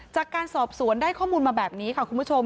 จากการสอบสวนได้ข้อมูลมาแบบนี้ค่ะคุณผู้ชม